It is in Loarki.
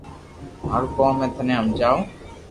مارو ڪوم ھي ٿني ھمجاو